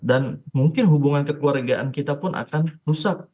dan mungkin hubungan kekeluargaan kita pun akan rusak